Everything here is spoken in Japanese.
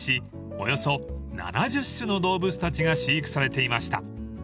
およそ７０種の動物たちが飼育されていました］